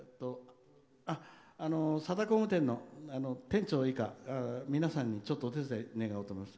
さだ工務店の皆さんにちょっとお手伝い願おうと思います。